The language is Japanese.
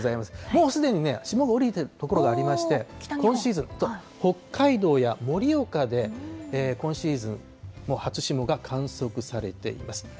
もうすでに霜が降りている所がありまして、今シーズン、北海道や盛岡で、今シーズン初霜が観測されています。